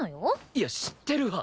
いや知ってるわ！